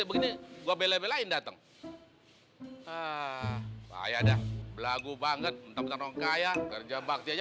nah hariannya gua belain belain dateng ah bahaya dah lagu banget untuk nongkaya kerja bakti aja